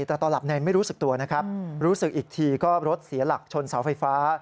แต่ตอนหลับในไม่รู้สึกตัวนะครับรู้สึกอีกทีก็รถเสียหลักชนเสาไฟฟ้า